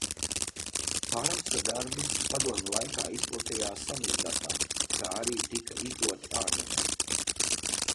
"Harmsa darbi padomju laikā izplatījās "samizdatā", kā arī tika izdoti ārzemēs."